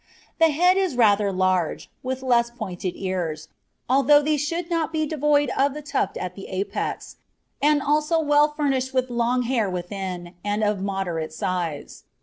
The head is rather larger, with less pointed ears, although these should not be devoid of the tuft at the apex, and also well furnished with long hair within, and of moderate size.